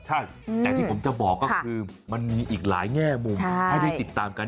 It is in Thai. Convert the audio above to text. ใช่แต่ที่ผมจะบอกก็คือมันมีอีกหลายแง่มุมให้ได้ติดตามกัน